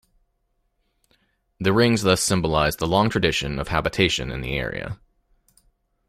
The rings thus symbolize the long tradition of habitation in the area.